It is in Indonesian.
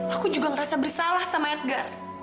aku juga merasa bersalah sama edgar